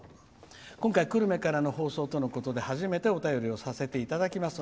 今回、久留米からの放送ということで初めてお便りをさせていただきます。